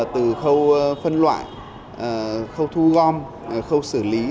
từ khâu phân loại khâu thu gom khâu xử lý